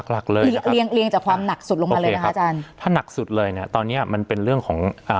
รักเลยนะครับโอเคครับถ้านักสุดเลยนะตอนนี้มันเป็นเรื่องของ